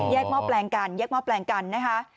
หม้อแปลงกันแยกหม้อแปลงกันนะคะ